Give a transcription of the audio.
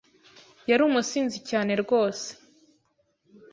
Yari umusinzi cyane rwose